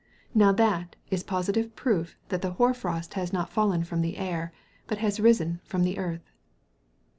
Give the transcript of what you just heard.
Now that is positive proof that the hoar frost has not fallen from the air, but has risen from the earth.